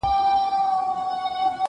که ژبه نه وي نو پوهه نه لېږدېږي.